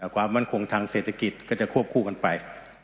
ความมั่นคงทางเศรษฐกิจก็จะควบคู่กันไป